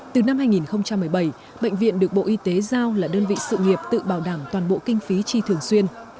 các bệnh viện được bộ y tế giao là đơn vị sự nghiệp tự bảo đảm toàn bộ kinh phí chi thường xuyên